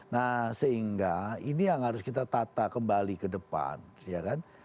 nah sehingga ini yang harus kita tata kembali ke depan ya kan